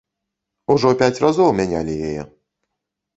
Ужо пяць разоў мянялі яе.